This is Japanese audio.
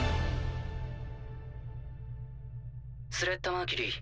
スレッタ・マーキュリー。